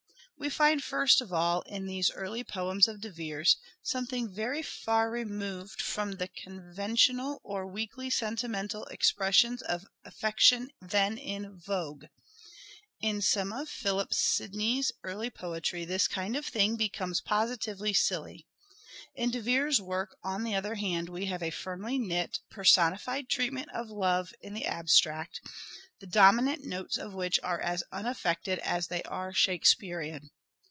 We find first of all in these early poems of De Vere's something very far removed from the conventional or weakly sentimental expressions of affection then in vogue. In some of Philip Sidney's 180 " SHAKESPEARE " IDENTIFIED early poetry this kind of thing becomes positively silly. In De Vere's work on the other hand we have a firmly knit personified treatment of Love in the abstract, the dominant notes of which are as unaffected as they are Shakespearean.